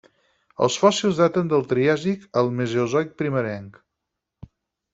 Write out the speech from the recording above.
Els fòssils daten del Triàsic al Mesozoic primerenc.